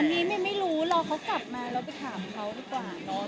อันนี้ไหมไม่รู้เราเค้ากลับมาไปถามเค้าดีกว่านี่เน้า